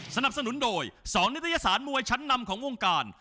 สนับสนุนโดย๒นิตยสารมวยชั้นนำของวงการ